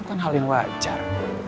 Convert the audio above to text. kan hal yang wajar